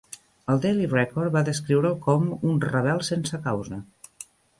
El Daily Record va descriure'l com "un rebel sense causa".